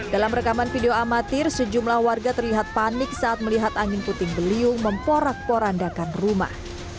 dalam rekaman video amatir sejumlah warga terlihat panik saat melihat angin puting beliung memporak porandakan rumah